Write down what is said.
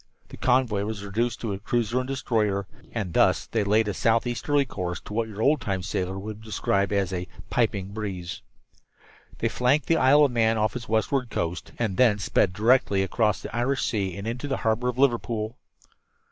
The convoy was reduced to a cruiser and destroyer, and thus they laid a southeasterly course to what your old time sailor would have described as "a piping breeze." They flanked the Isle of Man off its westward coast, and thence sped directly across the Irish Sea and into the harbor of Liverpool.